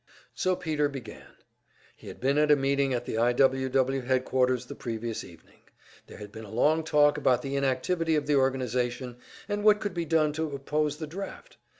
So Peter began. He had been at a meeting at the I. W. W. headquarters the previous evening. There had been a long talk about the inactivity of the organization, and what could be done to oppose the draft.